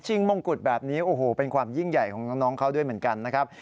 มงกุฎแบบนี้โอ้โหเป็นความยิ่งใหญ่ของน้องเขาด้วยเหมือนกันนะครับ